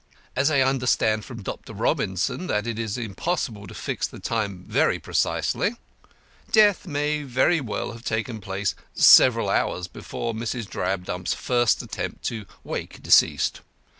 As I understand from Dr. Robinson, that it is impossible to fix the time very precisely, death may have very well taken place several hours before Mrs. Drabdump's first attempt to wake deceased.